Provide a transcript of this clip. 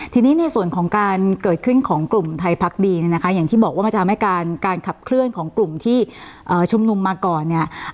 ทีนี้ในส่วนของการเกิดขึ้นของกลุ่มไทยพักดีเนี่ยนะคะอย่างที่บอกว่ามันจะทำให้การขับเคลื่อนของกลุ่มที่ชุมนุมมาก่อนเนี่ย